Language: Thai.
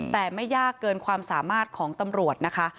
แต่ไม่ยากเกินความสามารถของตำรวจนะคะ